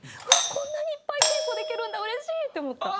こんなにいっぱい稽古できるんだうれしい！って思った。